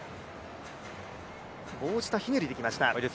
棒下ひねりできました。